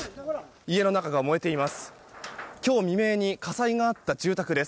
家の中が燃えています。